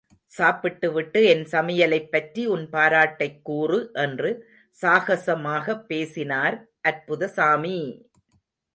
சாப்பிட்டுவிட்டு என் சமையலைப் பற்றி உன் பாராட்டைக் கூறு என்று சாகசமாகப் பேசினார் அற்புதசாமி!